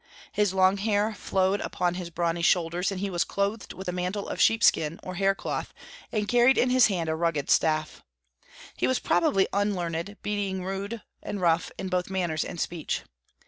His long hair flowed upon his brawny shoulders, and he was clothed with a mantle of sheepskin or hair cloth, and carried in his hand a rugged staff. He was probably unlearned, being rude and rough in both manners and speech.